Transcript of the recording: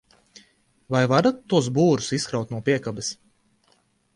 Vai varat tos būrus izkraut no piekabes?